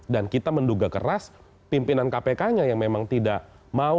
dan kita menduga keras pimpinan kpk nya yang memang tidak mau